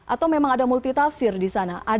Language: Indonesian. atau memang ada multitafsir di sana